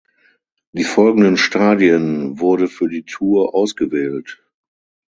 Die folgenden Stadien wurde für die Tour ausgewählt.